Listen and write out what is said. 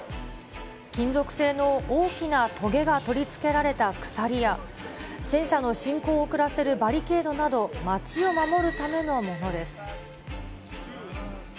金属製の大きなとげが取り付けられた鎖や、戦車の侵攻を遅らせるバリケードなど、町を守るためのものです。